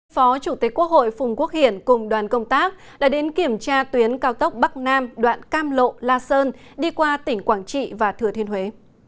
phó chủ tịch quốc hội phùng quốc hiển cùng đoàn công tác đã đến kiểm tra tuyến cao tốc bắc nam đoạn cam lộ la sơn đi qua tỉnh quảng trị và thừa thiên huế